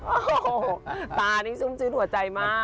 โอ้โหตานี่ชุ่มชื้นหัวใจมาก